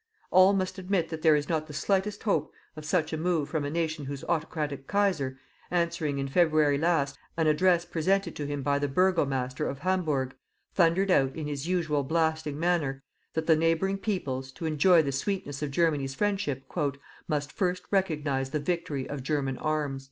All must admit that there is not the slightest hope of such a move from a nation whose autocratic Kaiser, answering, in February last, an address presented to him by the burgomaster of Hamburg, thundered out, in his usual blasting manner, that the neighbouring peoples, to enjoy the sweetness of Germany's friendship, "MUST FIRST RECOGNIZE THE VICTORY OF GERMAN ARMS."